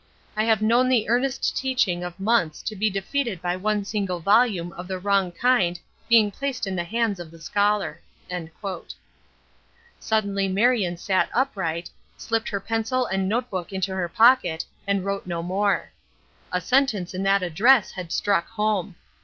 I have known the earnest teaching of months to be defeated by one single volume of the wrong kind being placed in the hands of the scholar." Suddenly Marion sat upright, slipped her pencil and note book into her pocket, and wrote no more. A sentence in that address had struck home.